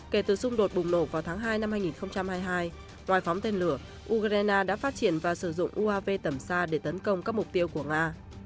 kể từ xung đột bùng nổ vào tháng hai năm hai nghìn hai mươi hai loài phóng tên lửa ukraine đã phát triển và sử dụng uav tầm xa để tấn công các mục tiêu của nga